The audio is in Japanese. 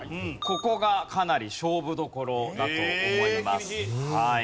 ここがかなり勝負どころだと思います。